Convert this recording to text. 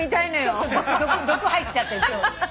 ちょっと毒入っちゃってる今日。